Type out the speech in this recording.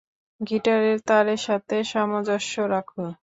গিটারের তারের সাথে সামঞ্জস্য রাখো।